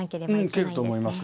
受けると思います。